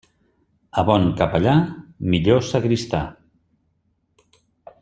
A bon capellà, millor sagristà.